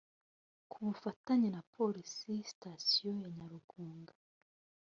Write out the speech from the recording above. ku bufatanye na Polisi Sitasiyo ya Nyarugunga